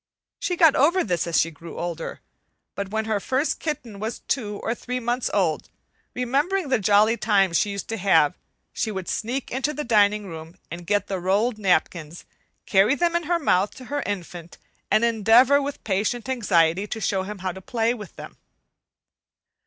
She got over this as she grew older; but when her first kitten was two or three months old, remembering the jolly times she used to have, she would sneak into the dining room and get the rolled napkins, carry them in her mouth to her infant, and endeavor with patient anxiety to show him how to play with them.